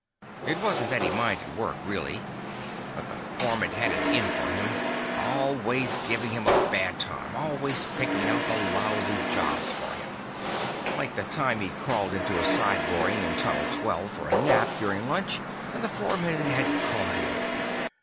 It wasn't that he minded work really, but the foreman had it in for him. Always giving him a bad time; always picking out the lousy jobs for him. Like the time he'd crawled into a side boring in Tunnel 12 for a nap during lunch and the foreman had caught him.